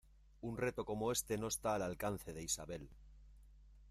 ¡Un reto como éste no está al alcance de Isabel!